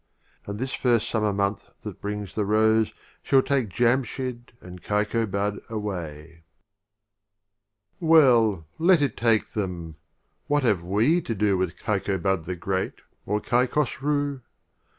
And this first Summer month that brings the Rose Shall take Jamshyd and Kaikobad away. X. Well, let it take them ! What have we to do With Kaikobad the Great, or Kaik hosrii